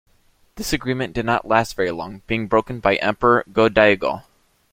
This agreement did not last very long, being broken by Emperor Go-Daigo.